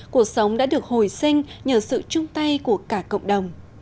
cuộc sống đã được hồi sinh nhờ sự chung tay của cả cộng đồng